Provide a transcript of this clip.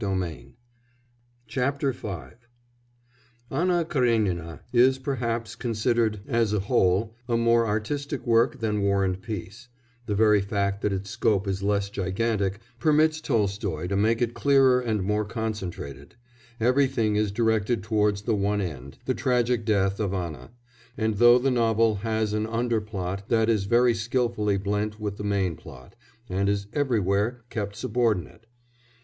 CHAPTER V "ANNA KARÉNINA" Anna Karénina is, perhaps, considered as a whole, a more artistic work than War and Peace; the very fact that its scope is less gigantic permits Tolstoy to make it clearer and more concentrated; everything is directed towards the one end the tragic death of Anna and though the novel has an under plot, that is very skilfully blent with the main plot, and is everywhere kept subordinate.